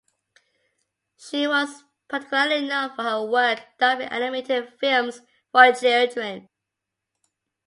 She was particularly known for her work dubbing animated films for children.